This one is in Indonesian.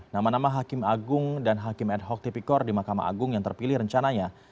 nama nama hakim agung dan hakim ad hoc tipikor di mahkamah agung yang terpilih rencananya